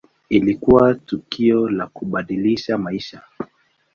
Ilikuwa tukio la kubadilisha maisha.